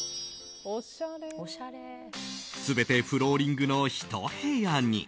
全てフローリングのひと部屋に。